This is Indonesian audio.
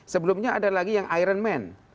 sebelumnya ada lagi yang iron man